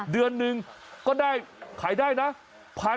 เดือนหนึ่งก็ได้ขายได้นะ